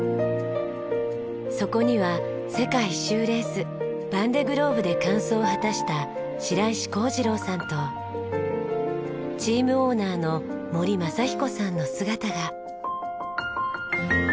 そこには世界一周レースヴァンデ・グローブで完走を果たした白石康次郎さんとチームオーナーの森雅彦さんの姿が。